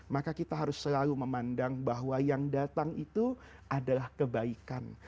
maka kita harus selalu memandang bahwa yang datang itu adalah kebaikan